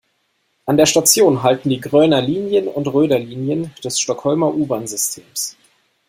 An der Station halten die Gröna linjen und Röda linjen des Stockholmer U-Bahn-Systems.